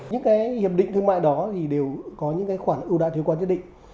những cái hiệp định thương mại đó thì đều có những cái khoản ưu đãi thuế quan nhất định